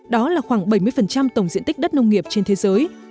đó là khoảng bảy mươi tổng diện tích đất nông nghiệp trên thế giới